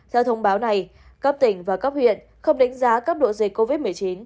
theo thông báo này cấp tỉnh và cấp huyện không đánh giá cấp độ dịch covid một mươi chín